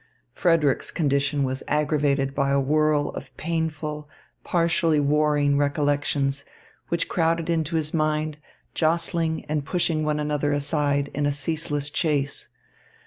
Frederick's condition was aggravated by a whirl of painful, partially warring recollections, which crowded into his mind, jostling and pushing one another aside in a ceaseless chase.